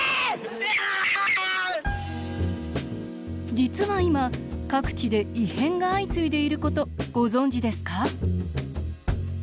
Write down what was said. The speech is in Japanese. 実は今各地で異変が相次いでいることご存じですか？